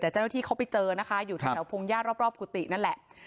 แต่เจ้าหน้าที่เขาไปเจอนะคะอยู่แถวพงญาติรอบกุฏินั่นแหละ